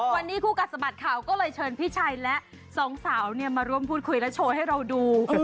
วันนี้คู่กัดสะบัดข่าวก็เลยเชิญพี่ชัยและสองสาวมาร่วมพูดคุยและโชว์ให้เราดู